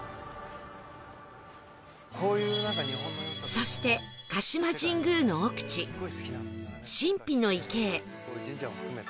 そして鹿島神宮の奥地神秘の池へ